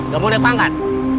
gak boleh pangkat